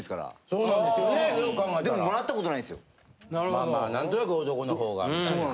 まあまあ何となく男の方がみたいな。